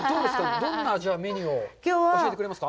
どんなメニューを教えてくれますか？